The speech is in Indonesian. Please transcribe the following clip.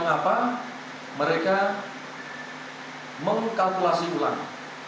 mengapa mereka mengkalkulasi ulang